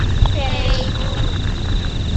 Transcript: فریدون